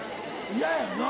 嫌やよな？